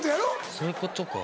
そういうことか。